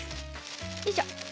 よいしょ。